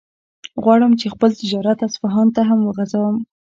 غواړم چې خپل تجارت اصفهان ته هم وغځوم.